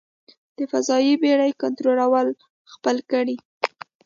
د فضايي بېړۍ کنټرول خپل کړي.